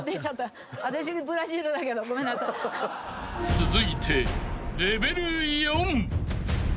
［続いてレベル４］